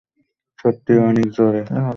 সত্যিই অনেক জোরে।